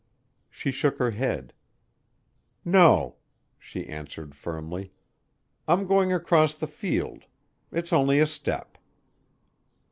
She shook her head. "No," she answered firmly, "I'm going across the field. It's only a step."